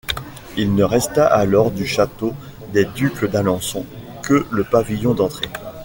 Il ne resta alors du château des Ducs d'Alençon que le pavillon d'entrée.